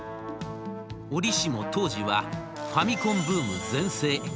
折しも当時はファミコンブーム全盛。